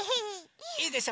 いいでしょ？